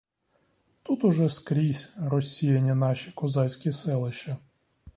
Тут уже скрізь розсіяні наші козацькі селища.